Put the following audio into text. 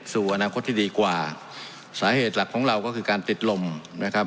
สู่อนาคตที่ดีกว่าสาเหตุหลักของเราก็คือการติดลมนะครับ